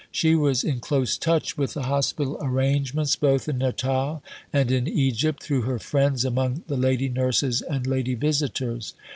She was in close touch with the hospital arrangements both in Natal and in Egypt through her friends among the lady nurses and lady visitors.